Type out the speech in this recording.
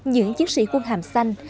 những chiến sĩ quân hàm xanh